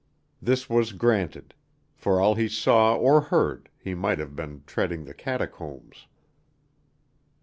This was granted; for all he saw or heard he might have been treading the catacombs.